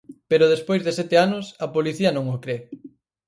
Pero despois de sete anos, a policía non o cre.